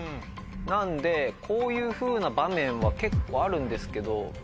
なのでこういうふうな場面は結構あるんですけど。